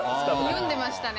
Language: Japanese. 読んでましたね。